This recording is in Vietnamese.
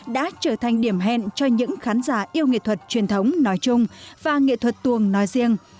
đã trở thành điểm hẹn cho những khán giả yêu nghệ thuật truyền thống nói chung và nghệ thuật tuồng nói riêng